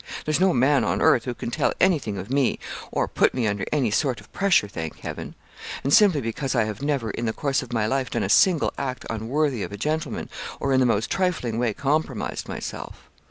There's no man on earth who can tell anything of me, or put me under any sort of pressure, thank Heaven; and simply because I have never in the course of my life done a single act unworthy of a gentleman, or in the most trifling way compromised myself.